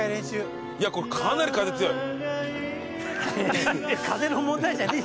いやこれかなり風強い。